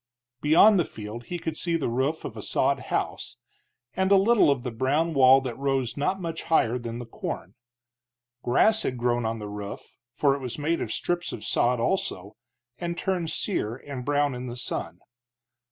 Beyond the field he could see the roof of a sod house, and a little of the brown wall that rose not much higher than the corn. Grass had grown on the roof, for it was made of strips of sod, also, and turned sere and brown in the sun.